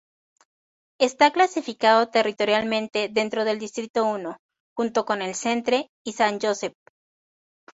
Está clasificado territorialmente dentro del Distrito I, junto con El Centre y Sant Josep.